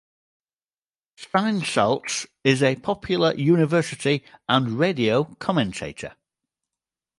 Steinsaltz is a popular University and radio commentator.